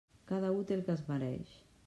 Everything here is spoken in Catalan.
Cada u té el que es mereix.